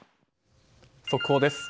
速報です。